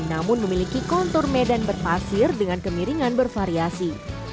namun memiliki kontur medan berpasir dengan kemiringan bervariasi